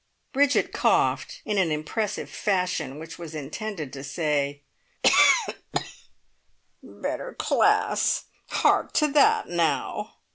Bridget coughed in an impressive fashion which was intended to say, "Better class! Hark to that now!